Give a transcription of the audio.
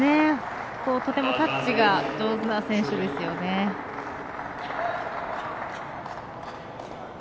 とてもタッチが上手な選手ですね。